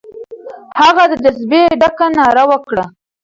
هغه د جذبې ډکه ناره وکړه.